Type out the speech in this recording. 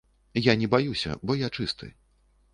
Я не баюся, бо я чысты.